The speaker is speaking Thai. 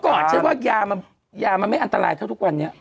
ก่อนฉันว่ายามันไม่อันตรายเท่าทุกวันนี้